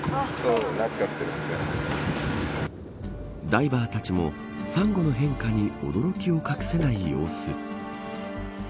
ダイバーたちもサンゴの変化に驚きを隠せない様子。